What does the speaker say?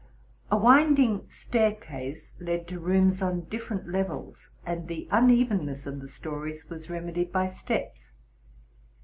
A winding staircase led to rooms on different levels, and the unevenness of the stories was remedied by steps.